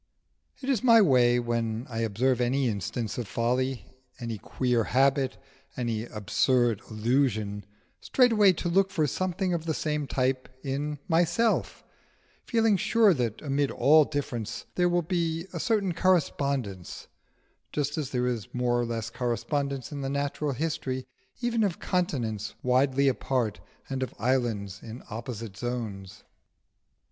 It is my way when I observe any instance of folly, any queer habit, any absurd illusion, straightway to look for something of the same type in myself, feeling sure that amid all differences there will be a certain correspondence; just as there is more or less correspondence in the natural history even of continents widely apart, and of islands in opposite zones.